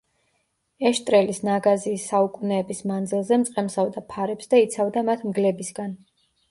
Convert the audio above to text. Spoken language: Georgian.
ეშტრელის ნაგაზი საუკუნეების მანძილზე მწყემსავდა ფარებს და იცავდა მათ მგლებისგან.